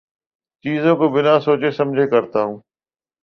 چیزوں کا بنا سوچے سمجھے کرتا ہوں